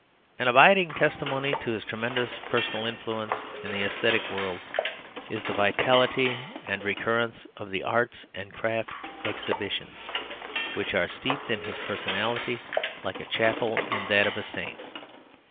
An abiding testimony to his tremendous personal influence in the æsthetic world is the vitality and recurrence of the Arts and Crafts Exhibitions, which are steeped in his personality like a chapel in that of a saint.